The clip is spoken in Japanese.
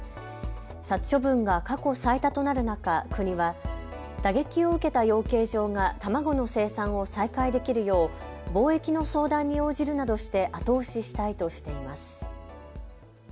殺処分が過去最多となる中、国は打撃を受けた養鶏場が卵の生産を再開できるよう貿易の相談に応じるなどして後押ししたいとしています。